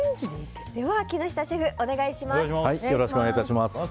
では、木下シェフよろしくお願いいたします。